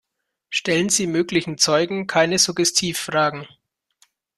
Stellen Sie möglichen Zeugen keine Suggestivfragen.